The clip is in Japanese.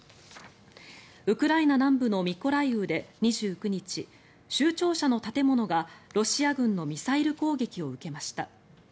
ウクライナ南部のミコライウで２９日州庁舎の建物がロシア軍のミサイル攻撃を受けました。